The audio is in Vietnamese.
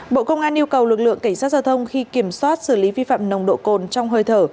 bộ công an yêu cầu lực lượng cảnh sát giao thông khi kiểm soát xử lý vi phạm nồng độ cồn trong hơi thở